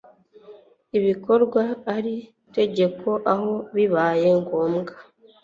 bikorwa iri tegeko aho bibaye ngombwa